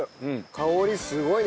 香りすごいね！